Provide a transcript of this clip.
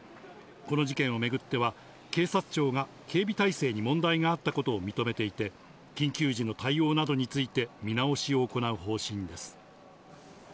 この事件を巡っては、警察庁が警備態勢に問題があったことを認めていて、緊急時の対応などについて見直しを行う方針です。